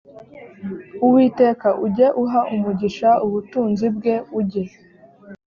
uwiteka ujye uha umugisha ubutunzi bwe ujye